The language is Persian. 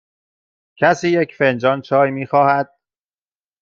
کسی یک فنجان چای می خواهد؟